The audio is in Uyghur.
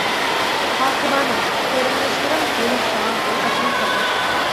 پاسىبانىڭ، قېرىنداشلىرىڭ، يۆلەك ساڭا ھەر قاچان سىرداش.